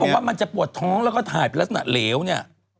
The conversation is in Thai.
เพราะว่ามันจะปวดท้องแล้วก็ถ่ายเป็นลักษณะเหลวเนี่ย